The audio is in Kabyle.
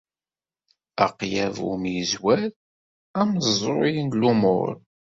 D aqlab umizzwer ameẓẓul n lumuṛ.